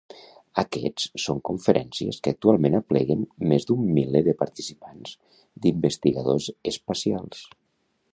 Aquests són conferències que actualment apleguen més d'un miler de participants d'investigadors espacials.